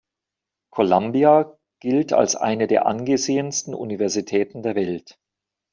Columbia gilt als eine der angesehensten Universitäten der Welt.